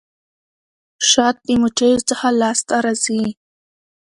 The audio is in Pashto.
شات د مچيو څخه لاسته راځي.